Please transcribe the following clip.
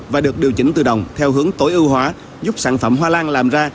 và được điều chỉnh tự động theo hướng tối ưu hóa